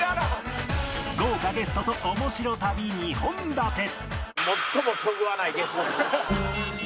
豪華ゲストとオモシロ旅２本立て